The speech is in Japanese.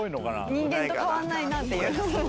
人間と変わんないなって。